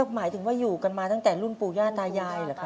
หมายถึงว่าอยู่กันมาตั้งแต่รุ่นปู่ย่าตายายเหรอครับ